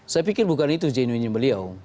mungkin bukan itu genuinity beliau